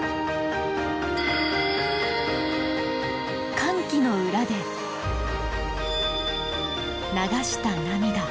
歓喜の裏で流した涙。